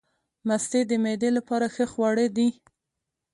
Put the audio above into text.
مستې د معدې لپاره ښه خواړه دي.